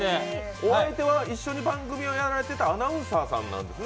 お相手は一緒に番組をやられていたアナウンサーさんなんですね。